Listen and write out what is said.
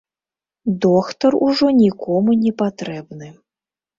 Доктар ужо нікому не патрэбны.